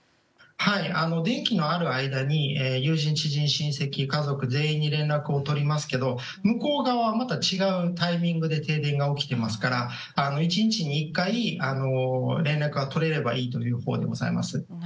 電気のある間に友人、知人、親戚、家族全員に連絡を取りますけど向こう側はまた違うタイミングで停電が起きていますから１日に１回、連絡が取れればいいというふうでございます。